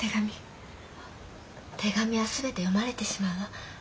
手紙は全て読まれてしまうわ。